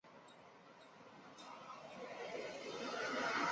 平坝铁线莲为毛茛科铁线莲属下的一个种。